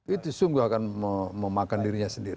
itu sungguh akan memakan dirinya sendiri